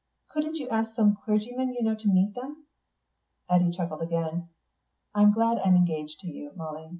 Couldn't you ask some clergyman you know to meet them?" Eddy chuckled again. "I'm glad I'm engaged to you, Molly.